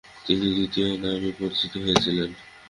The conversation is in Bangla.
তিনি দ্বিতীয় নামেই পরিচিত হয়েছিলেন।